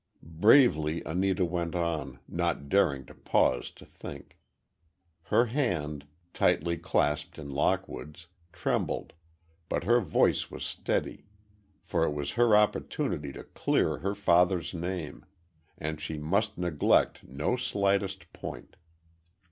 Bravely Anita went on, not daring to pause to think. Her hand, tightly clasped in Lockwood's, trembled, but her voice was steady, for it was her opportunity to clear her father's name, and she must neglect no slightest point.